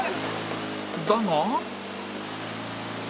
だが